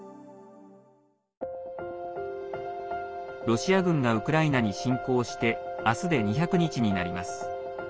ロシア軍がウクライナに侵攻して明日で２００日になります。